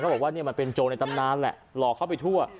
บอกว่าเนี่ยมันเป็นโจรในตำนานแหละหลอกเข้าไปทั่ว